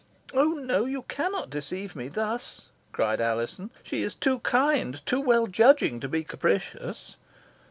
"Oh no! you cannot deceive me thus," cried Alizon. "She is too kind too well judging, to be capricious.